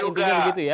intinya begitu ya